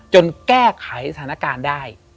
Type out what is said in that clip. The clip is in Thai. แก้ไขสถานการณ์ได้